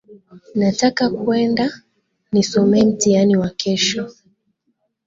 Nataka kuenda nisomee mtihani wa kesho.